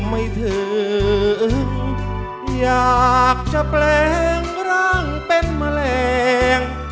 ไม่ถึงอยากจะแปลงร่างเป็นแมลง